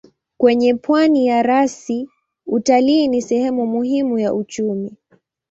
Kwenye pwani ya rasi utalii ni sehemu muhimu ya uchumi.